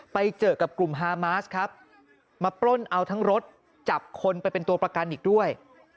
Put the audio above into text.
ไปเจอกับกลุ่มฮามาสครับมาปล้นเอาทั้งรถจับคนไปเป็นตัวประกันอีกด้วย